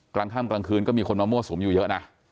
กลางค่ำกลางคืนก็มีคนมามั่วสุมอยู่เยอะนะ